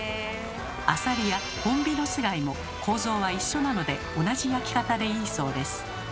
アサリやホンビノスガイも構造は一緒なので同じ焼き方でいいそうです。